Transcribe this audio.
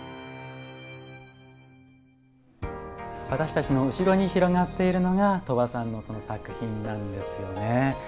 私たちの後ろに広がっているのが鳥羽さんの作品なんですよね。